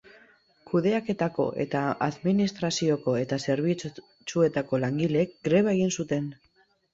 Kudeaketako eta administrazioko eta zerbitzuetako langileek greba egin zuten.